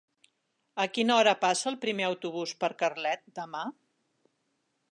A quina hora passa el primer autobús per Carlet demà?